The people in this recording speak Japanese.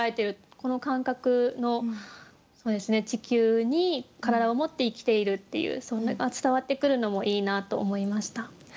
この感覚の地球に体をもって生きているっていうそれが伝わってくるのもいいなと思いました。